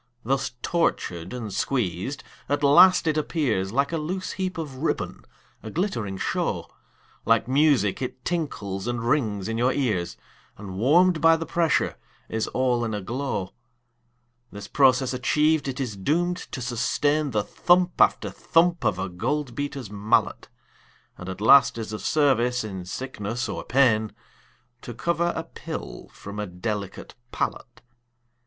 Thus tortured and squeezed, at last it appears Like a loose heap of ribbon, a glittering show, Like music it tinkles and rings in your ears, And warm'd by the pressure is all in a glow. This process achiev'd, it is doom'd to sustain The thump after thump of a gold beater's mallet, And at last is of service in sickness or pain To cover a pill from a delicate palate.